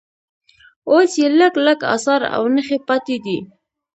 اوس یې لږ لږ اثار او نښې پاتې دي.